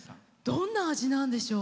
どんな味なんでしょう。